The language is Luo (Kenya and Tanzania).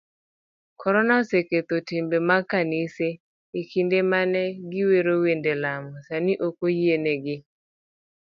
Korona oseketho timbe mag kanise, ekinde mane giwero wende lamo, sani okoyienegi.